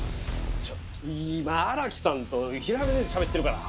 ちょっと今荒木さんと平山先生しゃべってるから！